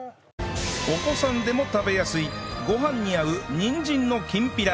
お子さんでも食べやすいご飯に合うにんじんのきんぴら